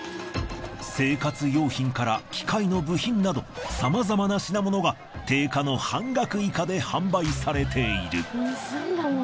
生活用品から機械の部品などさまざまな品物が定価の半額以下で販売されている。